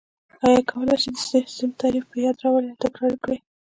آیا کولای شئ د سیسټم تعریف په یاد راولئ او تکرار یې کړئ؟